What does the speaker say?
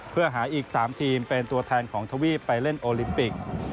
เพื่อหาอีก๓ทีมเป็นตัวแทนของทวีปไปเล่นโอลิมปิก